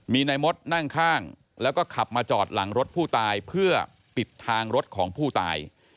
มีนายมดนั่งข้างแล้วก็ขับมาจอดหลังรถผู้ตายเพื่อปิดทางรถของผู้ตาย